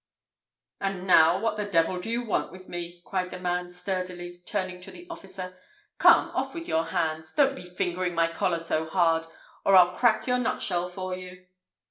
"And now, what the devil do you want with me'" cried the man, sturdily, turning to the officer. "Come, off with your hands! Don't be fingering my collar so hard, or I'll crack your nutshell for you."